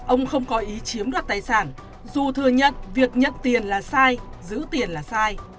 ông không có ý chiếm đoạt tài sản dù thừa nhận việc nhận tiền là sai giữ tiền là sai